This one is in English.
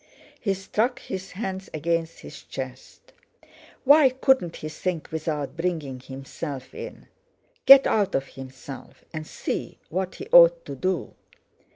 _" He struck his hands against his chest! Why couldn't he think without bringing himself in—get out of himself and see what he ought to do?